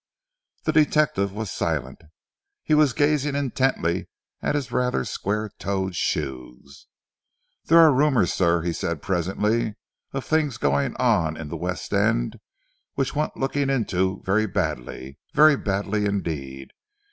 The detective was silent. He was gazing intently at his rather square toed shoes. "There are rumours, sir," he said, presently, "of things going on in the West End which want looking into very badly very badly indeed.